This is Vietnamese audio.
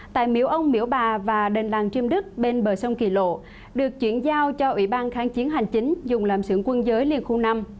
tại miếu ông miễu bà và đền làng chiêm đức bên bờ sông kỳ lộ được chuyển giao cho ủy ban kháng chiến hành chính dùng làm sưởng quân giới liên khu năm